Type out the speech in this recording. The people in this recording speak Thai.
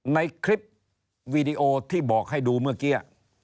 ในคลิปวีดีโอที่บอกให้ดูเมื่อกี้